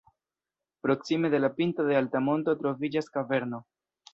Proksime de la pinto de alta monto troviĝas kaverno.